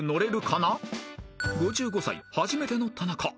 ［５５歳初めての田中］